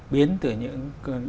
biến từ những